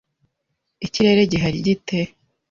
Ikirere gihari gite?